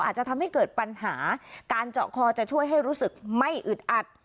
อาจจะทำให้เกิดปัญหาการเจาะคอจะช่วยให้รู้สึกไม่อึดอัด